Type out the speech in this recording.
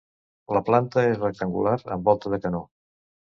La planta és rectangular amb volta de canó.